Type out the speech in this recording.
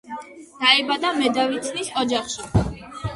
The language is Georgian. დაიბადა მედავითნის ოჯახში.